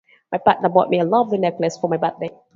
My partner bought me a lovely necklace for my birthday.